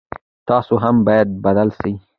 تاسو هم باید بدل شئ.